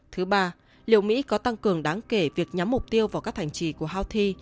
thứ ba liệu mỹ có tăng cường đáng kể việc nhắm mục tiêu vào các thành trì của houthi